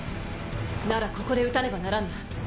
ならここで討たねばならんな。